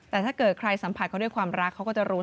แต่ถ้าเกิดใครสัมผัสเขาด้วยความรักเขาก็จะรู้